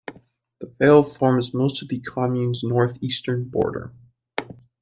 The Veyle forms most of the commune's northeastern border.